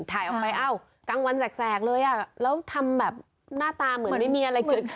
ถ่ายออกไปเอ้ากลางวันแสกเลยอ่ะแล้วทำแบบหน้าตาเหมือนไม่มีอะไรเกิดขึ้น